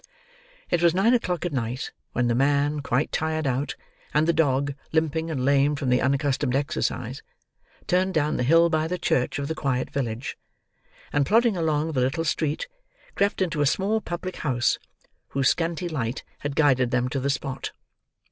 It was nine o'clock at night, when the man, quite tired out, and the dog, limping and lame from the unaccustomed exercise, turned down the hill by the church of the quiet village, and plodding along the little street, crept into a small public house, whose scanty light had guided them to the spot.